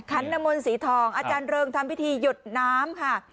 ขันนมนต์สีทองอาจารย์เริงทำพิธีหยดน้ำค่ะ